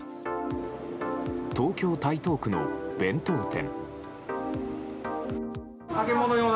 東京・台東区の弁当店。